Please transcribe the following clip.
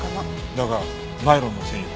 だがナイロンの繊維は？